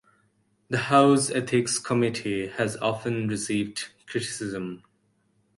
The House Ethics Committee has often received criticism.